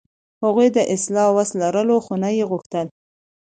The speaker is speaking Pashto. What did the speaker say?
هغوی د اصلاح وس لرلو، خو نه یې غوښت.